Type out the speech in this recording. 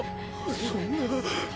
そんな。